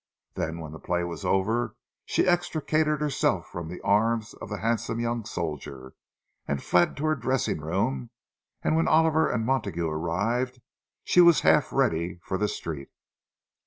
Then, when the play was over, she extricated herself from the arms of the handsome young soldier, and fled to her dressing room, and when Oliver and Montague arrived, she was half ready for the street.